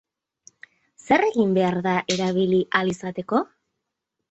Zer egin behar da erabili ahal izateko?